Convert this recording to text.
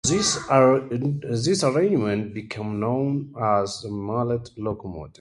This arrangement became known as the Mallet locomotive.